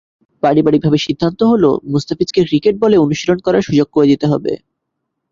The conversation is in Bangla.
পারিবারিকভাবে সিদ্ধান্ত হলো, মুস্তাফিজকে ক্রিকেট বলে অনুশীলন করার সুযোগ করে দিতে হবে।